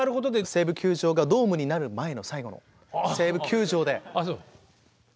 西武球場がドームになる前の最後の西武球場で。